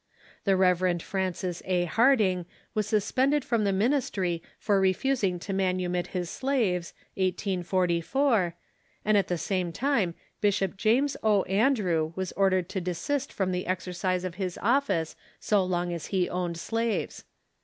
The Rev. Francis A. Harding was suspended from the ministry foi" refusing to manumit his slaves, 1844, and at the same time Bishop James O. Andrew was ordered to desist from the exercise of his office so long as he owned slaves.